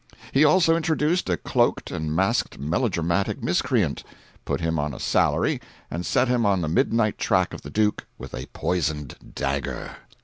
He also introduced a cloaked and masked melodramatic miscreant, put him on a salary and set him on the midnight track of the Duke with a poisoned dagger.